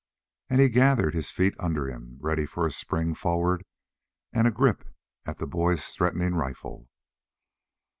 And he gathered his feet under him, ready for a spring forward and a grip at the boy's threatening rifle.